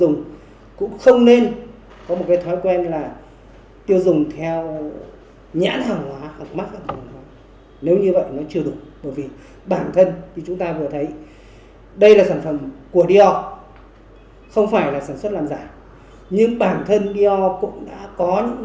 nhưng bản thân dior cũng đã có những việc làm nó không trung thực